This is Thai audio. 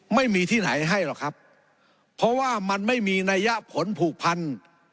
ไม่มีที่ไหนให้หรอกครับเพราะว่ามันไม่มีนัยยะผลผูกพัน